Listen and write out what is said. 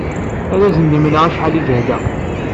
Ad asen-d-mleɣ acḥal i jehdeɣ.